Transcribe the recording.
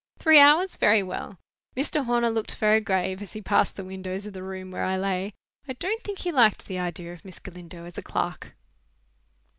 "Three hours! Very well." Mr. Horner looked very grave as he passed the windows of the room where I lay. I don't think he liked the idea of Miss Galindo as a clerk.